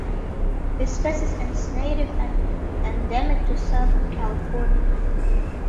This species is native and endemic to southern California.